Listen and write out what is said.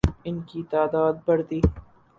ان کی تعداد بڑھتی